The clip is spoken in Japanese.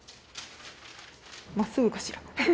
まっすぐかしら。